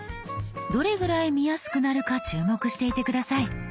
どれぐらい見やすくなるか注目していて下さい。